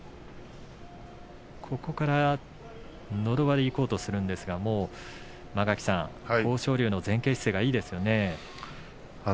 ここから、のど輪でいこうとするんですがもう間垣さん豊昇龍の前傾姿勢がいいですね。